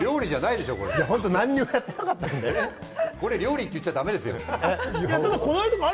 これ料理って言っちゃだめですよ。